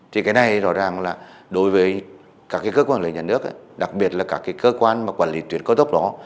thì cái này rõ ràng là đối với các cái cơ quan lợi nhận nước đặc biệt là các cái cơ quan mà quản lý tuyến cao tốc đó